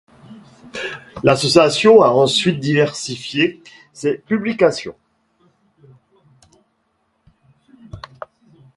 L’association a ensuite diversifié ses publications.